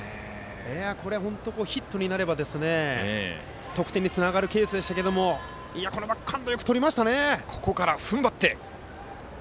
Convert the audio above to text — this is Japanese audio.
これ、本当にヒットになれば得点につながるケースでしたけどこのバックハンドよくとりましたね。